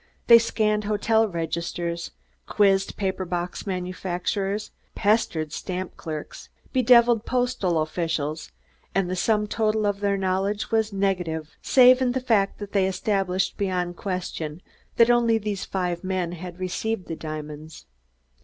They scanned hotel registers, quizzed paper box manufacturers, pestered stamp clerks, bedeviled postal officials, and the sum total of their knowledge was negative, save in the fact that they established beyond question that only these five men had received the diamonds.